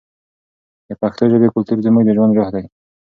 د پښتو ژبې کلتور زموږ د ژوند روح دی.